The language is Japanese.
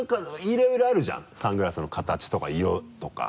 いろいろあるじゃんサングラスの形とか色とか。